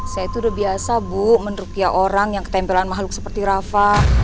saya tuh udah biasa bu menerukiah orang yang ketempelan mahluk seperti rafa